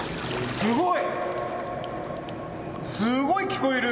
すごい！